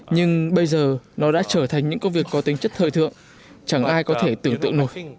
nhưng bây giờ nó đã trở thành những công việc có tính chất thời thượng chẳng ai có thể tưởng tượng nổi